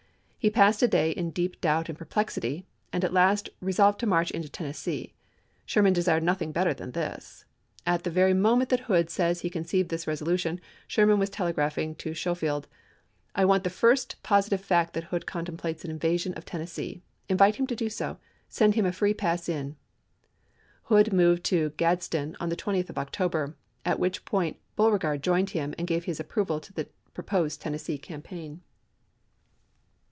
He passed a day in deep doubt and perplexity, and at last resolved to march into Tennessee. Sherman desired nothing better than this. At the very moment that Hood says he conceived this resolu tion, Sherman was telegraphing to Schofield :" I want the first positive fact that Hood contemplates an invasion of Tennessee. Invite him to do so. Send him a free pass in." Hood moved to Gads den on the 20th of October, at which point Beau regard joined him, and gave his approval to the proposed Tennessee campaign.